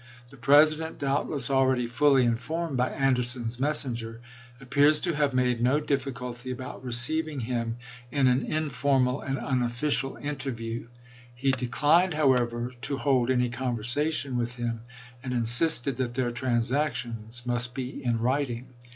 The President, doubtless already fully in formed by Anderson's messenger, appears to have made no difficulty about receiving him in an "in formal and unofficial " interview ; he declined, how ever, to hold any conversation with him, and insisted that their transactions must be in writing.